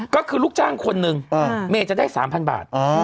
ก็คือลูกจ้างคนหนึ่งเมย์จะได้๓๐๐บาท